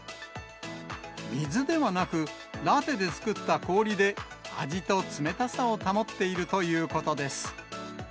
水ではなく、ラテで作った氷で、味と冷たさを保っているということです。